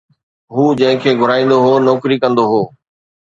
هو جنهن کي گهرائيندو هو، نوڪري ڪندو هو